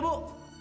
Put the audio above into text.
ibu apa kabar